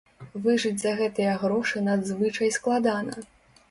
Выжыць за гэтыя грошы надзвычай складана.